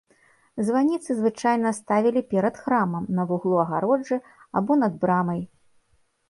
Званіцы звычайна ставілі перад храмам, на вуглу агароджы або над брамай.